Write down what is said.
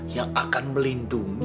yang akan melindungi